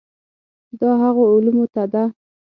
دا هغو علومو ته ده.